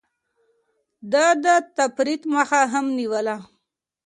ده د تفريط مخه هم نيوله.